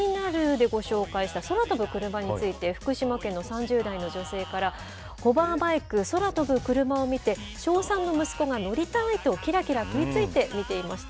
でご紹介した空飛ぶクルマについて、福島県の３０代の女性から、ホバーバイク、空飛ぶクルマを見て、小３の息子が乗りたいと、きらきら食いついて見ていました。